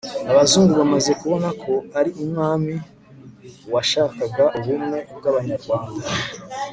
abazungu bamaze kubona ko ari umwami washakaga ubumwe bw'abanyarwanda